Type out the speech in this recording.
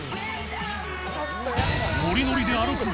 ［ノリノリで歩く